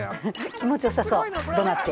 気持ち良さそう怒鳴って。